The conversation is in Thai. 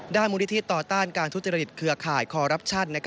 มูลนิธิต่อต้านการทุจริตเครือข่ายคอรับชัน